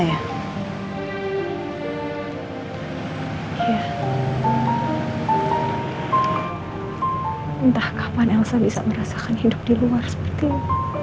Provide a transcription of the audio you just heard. ya entah kapan elsa bisa merasakan hidup di luar seperti ini